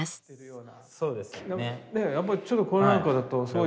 やっぱりちょっとこれなんかだとすごい。